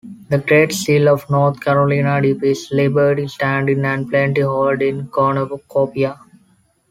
The Great Seal of North Carolina depicts Liberty standing and Plenty holding a cornucopia.